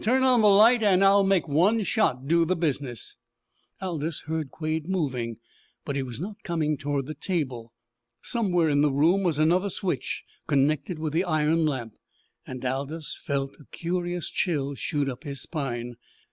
Turn on the light and I'll make one shot do the business!" Aldous heard Quade moving, but he was not coming toward the table. Somewhere in the room was another switch connected with the iron lamp, and Aldous felt a curious chill shoot up his spine.